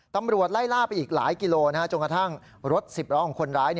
ตำรวจไล่ล่าไปอีกหลายกิโลจนกระทั่งรถ๑๐ล้อของคนร้าย